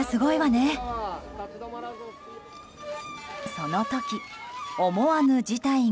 その時、思わぬ事態が。